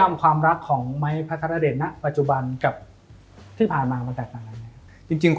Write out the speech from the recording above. มั้ยก็เป็นมั้ยที่ปฎิเจนท์